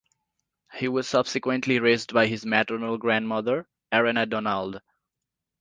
He was subsequently raised by his maternal grandmother, Arrana Donald.